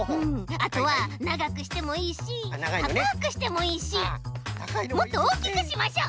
あとはながくしてもいいしたかくしてもいいしもっとおおきくしましょう！